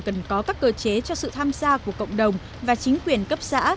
cần có các cơ chế cho sự tham gia của cộng đồng và chính quyền cấp xã